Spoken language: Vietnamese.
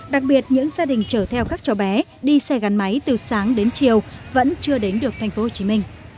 đặc biệt những gia đình chở theo các cháu bé đi xe gắn máy từ sáng đến chiều vẫn chưa đến được tp hcm